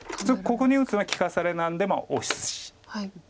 ここに打つのは利かされなんでオシていく。